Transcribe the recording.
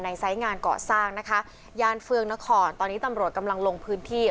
ไซส์งานเกาะสร้างนะคะยานเฟืองนครตอนนี้ตำรวจกำลังลงพื้นที่